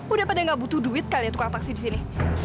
udah pada nggak butuh duit kalian tukang taksi di sini